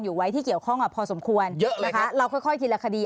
อยู่ไว้ที่เกี่ยวข้องอะพอสมควรเราค่อยค่อยทีละคดี